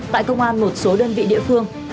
tại công an một số đơn vị địa phương